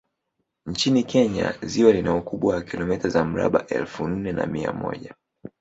Nchini Kenya ziwa lina ukubwa wa kilomita za mraba elfu nne na mia moja